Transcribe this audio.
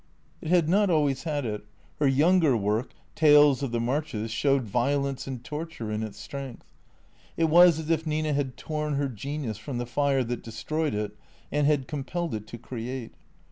It had not always had it. Her younger work, " Tales of the Marches," showed violence and torture in its strength. It was as if Nina had torn her genius from the fire that destroyed it and had compelled it to create.